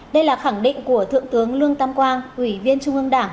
đây là khẳng định của thượng tướng lương tam quang ủy viên trung ương đảng